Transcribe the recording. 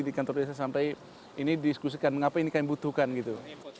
di kantor desa sampai ini diskusikan mengapa ini kami butuhkan gitu